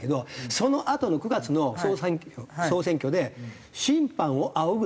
そのあとの９月の総選挙で審判を仰ぐって事ですよね。